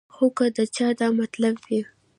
خو کۀ د چا دا مطلب وي